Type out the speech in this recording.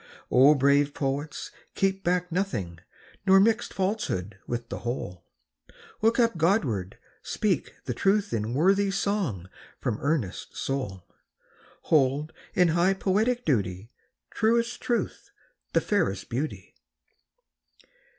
O brave poets, keep back nothing ; Nor mix falsehood with the whole ! Look up Godward! speak the truth in Worthy song from earnest soul ! Hold, in high poetic duty, Truest Truth the fairest Beauty!